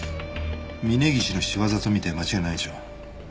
峰岸の仕業と見て間違いないでしょう。